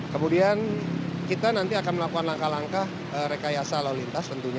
kemudian kita nanti akan melakukan langkah langkah rekayasa lalu lintas tentunya